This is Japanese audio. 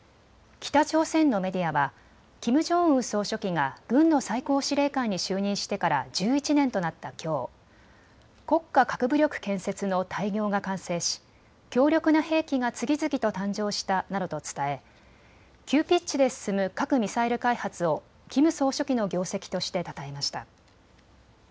北朝鮮のメディアはキム・ジョンウン総書記が軍の最高司令官に就任してから１１年となったきょう、国家核武力建設の大業が完成し強力な兵器が次々と誕生したなどと伝え急ピッチで進む核・ミサイル開発をキム総書記の業績としてたたえました。